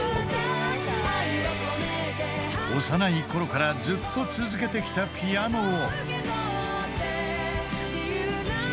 ［幼いころからずっと続けてきたピアノを］